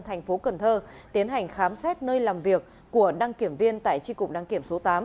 tp hcm tiến hành khám xét nơi làm việc của đăng kiểm viên tại chi cục đăng kiểm số tám